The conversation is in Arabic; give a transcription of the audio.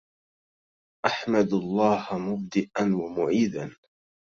أحمد الله مبدئا ومعيدا